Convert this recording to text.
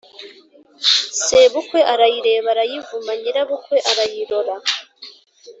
sebukwe arayireba arayivu ma/ nyirabukwe arayirora